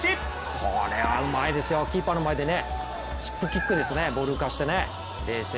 これはうまいですよ、キーパーの前でチップキックですね、ボールうかせて。